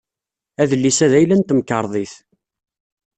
Adlis-a d ayla n temkarḍit.